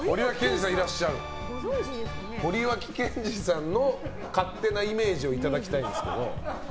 森脇健児さんの勝手なイメージをいただきたいんですけど。